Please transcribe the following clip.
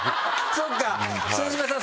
そっか副島さん